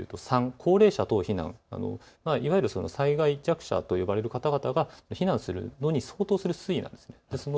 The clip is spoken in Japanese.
高齢者等避難、いわゆる災害弱者と呼ばれる方々が避難するのに相当する水位なんです。